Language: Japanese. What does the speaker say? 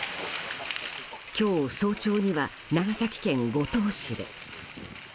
今日、早朝には長崎県五島市で。